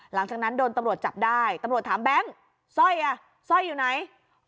หลังจากนั้นโดนตำรวจจับได้ตำรวจถามแบงค์สร้อยอ่ะสร้อยอยู่ไหน